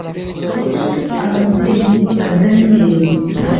Ababyeyi ba Daniyeli bari baramutoje